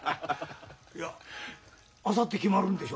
あさって決まるんでしょ？